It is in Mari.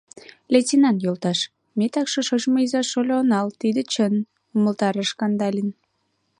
— Лейтенант йолташ, ме такше шочмо иза-шольо онал, тиде чын, — умылтарыш Кандалин.